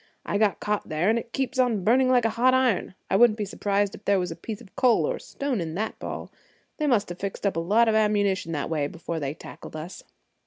"I got caught there, and it keeps on burning like a hot iron. I wouldn't be surprised if there was a piece of coal or a stone in that ball. They must have fixed up a lot of ammunition that way before they tackled us."